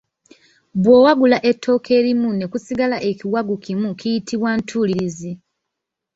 Bw’owagula ettooke erimu ne kusigala ekiwagu kimu kiyitibwa ntuulirzi.